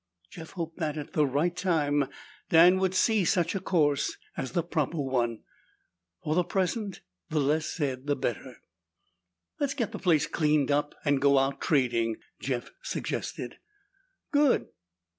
Jeff hoped that, at the right time, Dan would see such a course as the proper one. For the present, the less said the better. "Let's get the place cleaned up and go out trading," Jeff suggested. "Good!"